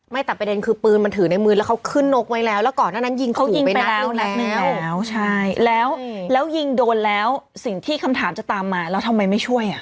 แต่ประเด็นคือปืนมันถือในมือแล้วเขาขึ้นนกไว้แล้วแล้วก่อนหน้านั้นยิงเขายิงไปแล้วนัดหนึ่งแล้วใช่แล้วยิงโดนแล้วสิ่งที่คำถามจะตามมาแล้วทำไมไม่ช่วยอ่ะ